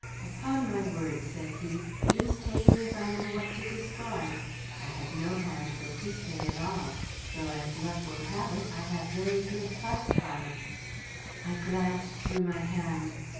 "Upon my word," said he. "Deuce take me if I know what to discard. I have no hand for picquet at all, though as luck will have it I have very good putt cards." I glanced through my hand.